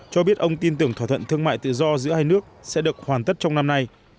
cho biết ông tin tưởng thỏa thuận thương mại tự do giữa hai nước sẽ được hoàn tất trong năm nay